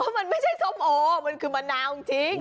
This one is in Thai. มันไม่ใช่ส้มโอมันคือมะนาวจริง